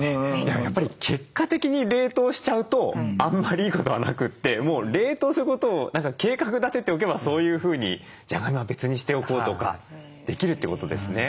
やっぱり結果的に冷凍しちゃうとあんまりいいことはなくて冷凍することを計画立てておけばそういうふうにじゃがいもは別にしておこうとかできるってことですね。